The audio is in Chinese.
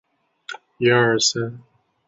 鲑鱼饭团明天当早餐